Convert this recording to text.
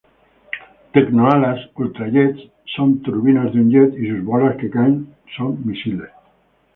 Tecno-Alas=Ultra-Jet´s: Son turbinas de un Jet, y sus bolas que caen son misiles.